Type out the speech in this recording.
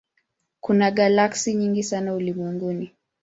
Kuna galaksi nyingi sana ulimwenguni.